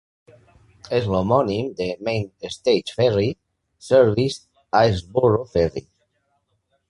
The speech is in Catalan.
És l'homònim de "Maine State Ferry Service's Islesboro Ferry".